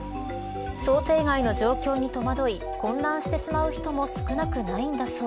想定外の状況に戸惑い混乱してしまう人も少なくないんだそう。